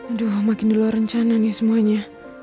aduh makin dulu rencana nih semuanya